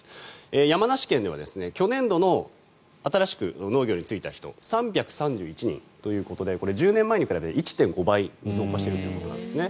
山梨県では去年度の新しく農業に就いた人３３１人ということでこれは１０年前に比べて１．５倍に増加しているということなんですね。